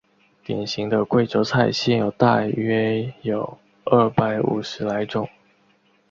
典型的贵州菜现有大约有二百五十来种。